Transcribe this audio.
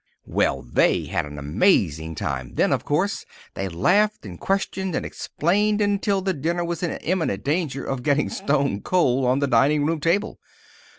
Well they had an amazing time then, of course. They laughed and questioned and explained until the dinner was in imminent danger of getting stone cold on the dining room table.